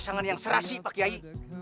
pasangan yang serasi pak kiai